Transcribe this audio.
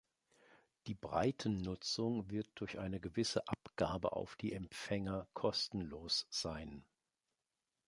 Die Breitennutzung wird durch eine gewisse Abgabe auf die Empfänger kostenlos sein.